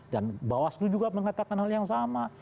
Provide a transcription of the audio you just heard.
dan bawas lu juga mengatakan hal yang sama